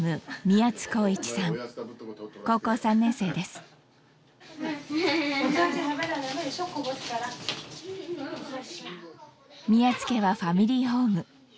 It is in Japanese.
宮津家は「ファミリーホーム」。